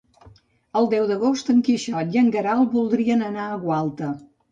El deu d'agost en Quixot i en Guerau voldrien anar a Gualta.